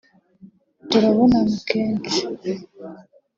turabonana kenshi